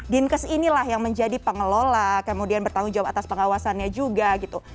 dinkes inilah yang menjadi pengelola kemudian bertanggung jawab atas pengawasannya juga gitu